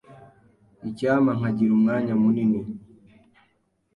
Icyampa nkagira umwanya munini.